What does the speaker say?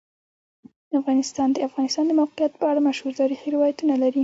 افغانستان د د افغانستان د موقعیت په اړه مشهور تاریخی روایتونه لري.